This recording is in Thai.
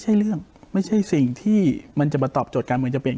ใช่เรื่องไม่ใช่สิ่งที่มันจะมาตอบโจทย์การเมืองจะเป็น